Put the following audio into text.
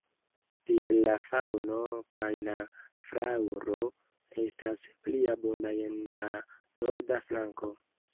Tiel la faŭno kaj la flaŭro estas pli abundaj en la norda flanko.